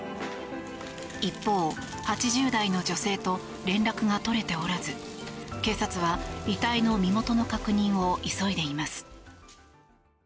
一方、８０代の女性と連絡が取れておらず警察は、遺体の身元の確認を急いでいます。